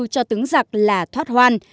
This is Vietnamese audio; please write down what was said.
cho tướng giặc là thoát hoan